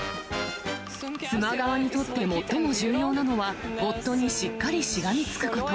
妻側にとって最も重要なのは、夫にしっかりしがみつくこと。